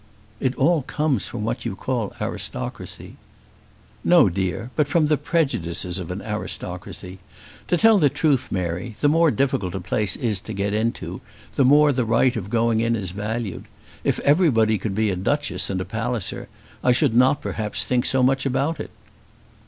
"It all comes from what you call aristocracy." "No, dear; but from the prejudices of an aristocracy. To tell the truth, Mary, the more difficult a place is to get into, the more the right of going in is valued. If everybody could be a Duchess and a Palliser, I should not perhaps think so much about it."